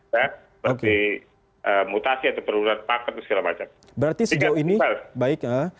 berarti mutasi atau perurahan paket dan segala macam